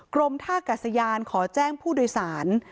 กรมท่ากัศยานขอแจ้งผู้โดยสาร